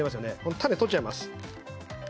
種を取っちゃいます。